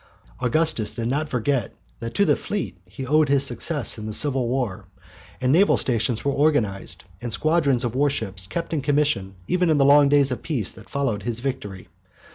Augustus did not forget that to the fleet he had owed his success in the civil war, and naval stations were organized and squadrons of warships kept in commission even in the long days of peace that followed his victory.